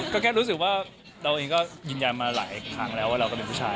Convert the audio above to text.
ก็แค่รู้สึกว่าเราเองก็ยืนยันมาหลายครั้งแล้วว่าเราก็เป็นผู้ชาย